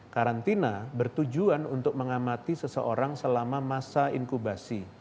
karantina bertujuan untuk mengamati seseorang selama masa inkubasi